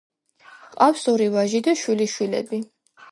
ჰყავს ორი ვაჟი და შვილიშვილები.